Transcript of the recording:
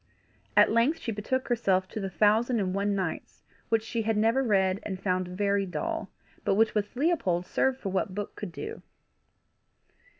At length she betook herself to the Thousand and One Nights, which she had never read, and found very dull, but which with Leopold served for what book could do.